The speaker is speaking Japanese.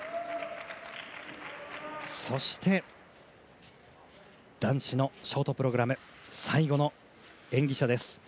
そして男子のショートプログラム最後の演技者です。